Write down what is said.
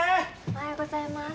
おはようございます。